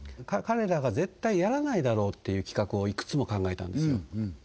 彼らが絶対やらないだろうっていう企画をいくつも考えたんですよ